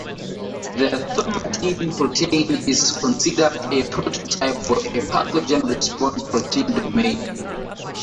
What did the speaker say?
The thaumatin protein is considered a prototype for a pathogen-response protein domain.